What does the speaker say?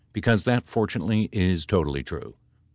Because that, fortunately, is totally true.